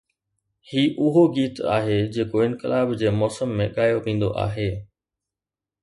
هي اهو گيت آهي جيڪو انقلاب جي موسم ۾ ڳايو ويندو آهي.